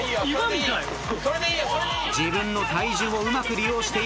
自分の体重をうまく利用している出川。